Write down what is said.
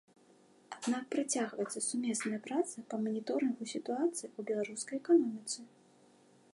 Аднак працягваецца сумесная праца па маніторынгу сітуацыі ў беларускай эканоміцы.